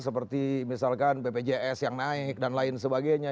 seperti misalkan bpjs yang naik dan lain sebagainya